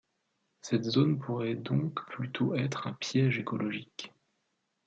Cette zone pourrait donc plutôt être un piège écologique.